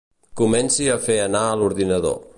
Comenci a fer anar l'ordinador.